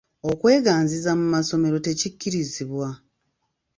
Okweganziza mu massomero tekikkirizibwa.